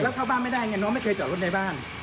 แล้วเข้าบ้านไม่ได้ไงน้องไม่เคยจอดรถในบ้าน